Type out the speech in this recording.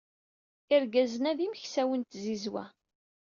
Irgazen-a d imeksawen n tzizwa.